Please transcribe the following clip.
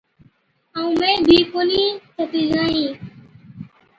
ائُون مين بِي ڪونھِي چتِي جانهِين۔